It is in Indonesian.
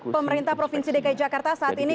pemerintah provinsi dki jakarta saat ini